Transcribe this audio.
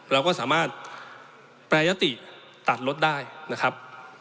เราก็สามารถแปรยติตัดรถได้นะครับ